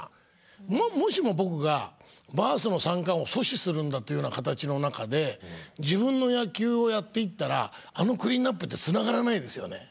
もしも僕がバースの三冠王阻止するんだというような形の中で自分の野球をやっていったらあのクリーンアップってつながらないですよね？